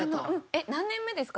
えっ何年目ですか？